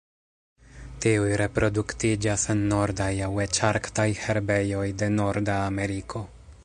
Tiuj reproduktiĝas en nordaj aŭ eĉ arktaj herbejoj de Norda Ameriko.